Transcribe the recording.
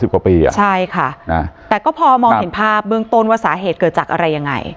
กว่าปีอ่ะใช่ค่ะนะแต่ก็พอมองเห็นภาพเบื้องต้นว่าสาเหตุเกิดจากอะไรยังไง